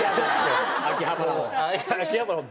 「秋葉原」を。